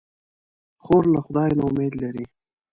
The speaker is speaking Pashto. خور له خدای نه امید لري.